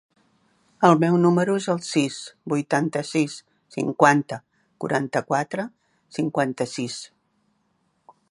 El meu número es el sis, vuitanta-sis, cinquanta, quaranta-quatre, cinquanta-sis.